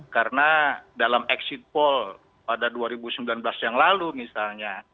karena dalam exit poll pada dua ribu sembilan belas yang lalu misalnya